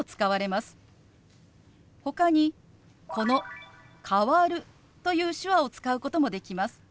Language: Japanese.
ほかにこの「変わる」という手話を使うこともできます。